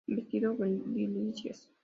Vestíbulo Delicias